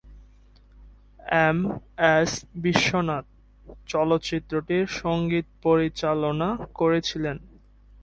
M S Viswanath চলচ্চিত্রটির সঙ্গীত পরিচালনা করেছিলেন।